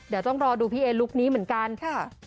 เดี๋ยวต้องรอดูพี่เอลุคนี้เหมือนกันค่ะ